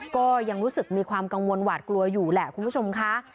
ก็ยังรู้สึกมีความกังวลหวาดกลัวอยู่แหละคุณผู้ชมค่ะ